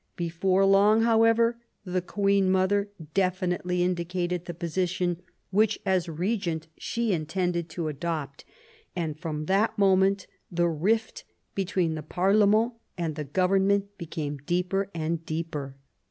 Before long, however, the queen mother definitely indicated the position which, as regent, she intended to adopt, and from that moment the rift between the parlement and the government became deeper and deeper.